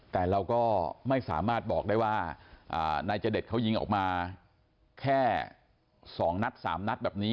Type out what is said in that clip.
แต่เราก็ไม่สามารถบอกได้ว่านายเจดเขายิงออกมาแค่๒นัด๓นัดแบบนี้